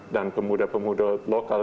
dan pemuda pemuda lokal